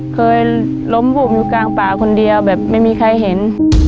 เคยล้มบูมอยู่กลางป่าคนเดียวแบบไม่มีใครเห็น